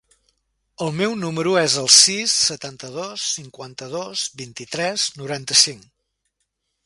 El meu número es el sis, setanta-dos, cinquanta-dos, vint-i-tres, noranta-cinc.